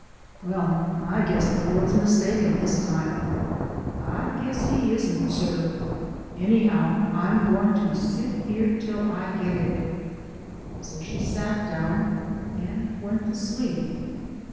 " Well, I guess the Lord's mistaken this time." "I guess he isn't, sir. Anyhow I'm gwine to sit here till I git it." So she sat down and went to sleep.